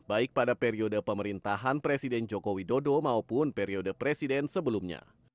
baik pada periode pemerintahan presiden joko widodo maupun periode presiden sebelumnya